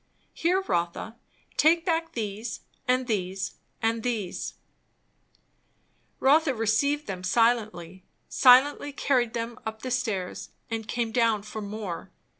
Here, Rotha take back these, and these, and these " Rotha received them silently; silently carried them up stairs and came down for more.